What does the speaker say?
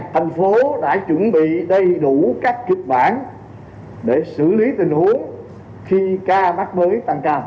thành phố đã chuẩn bị đầy đủ các kịch bản để xử lý tình huống khi ca mắc mới tăng cao